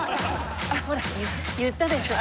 ほら言ったでしょ？